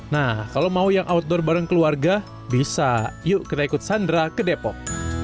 nah kalau mau yang outdoor bareng keluarga bisa yuk kita ikut sandra ke depok